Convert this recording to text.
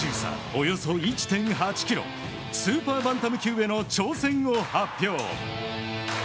およそ１．８ｋｇスーパーバンタム級への挑戦を発表。